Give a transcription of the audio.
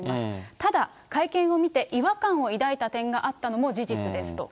ただ、会見を見て違和感を抱いた点があったのも事実ですと。